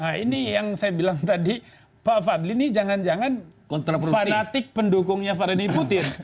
nah ini yang saya bilang tadi pak fadli ini jangan jangan fanatik pendukungnya vladi putin